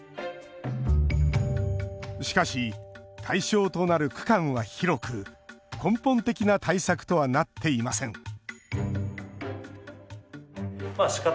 しかし、対象となる区間は広く根本的な対策とはなっていません